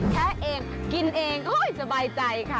แค่เองกินเองก็สบายใจค่ะ